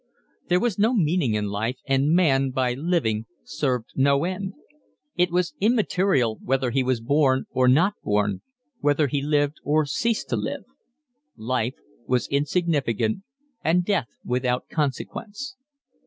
There was no meaning in life, and man by living served no end. It was immaterial whether he was born or not born, whether he lived or ceased to live. Life was insignificant and death without consequence.